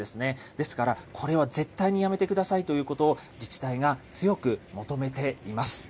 ですからこれは絶対にやめてくださいということを、自治体が強く求めています。